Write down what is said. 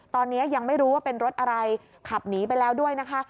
ตอนนี้ยังไม่รู้ว่าเป็นรถอะไรขับหนีไปแล้วด้วยนะคะ